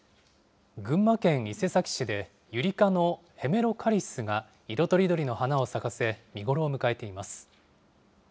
群馬県伊勢崎市で、ユリ科のヘメロカリスが色とりどりの花を咲かせ、見頃を迎えています。